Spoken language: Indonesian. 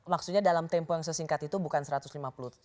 maksudnya dalam tempo yang sesingkat itu bukan satu ratus lima puluh ton